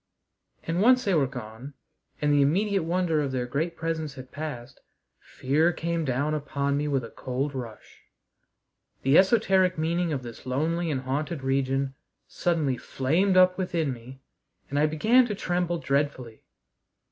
And, once they were gone and the immediate wonder of their great presence had passed, fear came down upon me with a cold rush. The esoteric meaning of this lonely and haunted region suddenly flamed up within me and I began to tremble dreadfully.